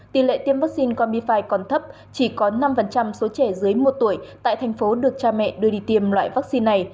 tỷ lệ tiêm vaccine comifi còn thấp chỉ có năm số trẻ dưới một tuổi tại thành phố được cha mẹ đưa đi tiêm loại vaccine này